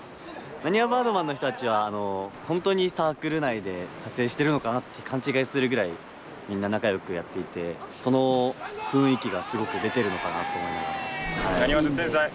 なにわバードマンの人たちは本当にサークル内で撮影してるのかなって勘違いするぐらいみんな仲良くやっていてその雰囲気がすごく出てるのかなと思いながら。